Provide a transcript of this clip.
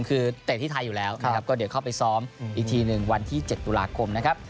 คือเตะที่ไทยอยู่แล้วนะครับก็เดี๋ยวเข้าไปซ้อมอีกทีหนึ่งวันที่๗ตุลาคมนะครับ